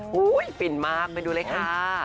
ฟินมากไปดูเลยค่ะ